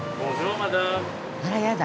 あらやだ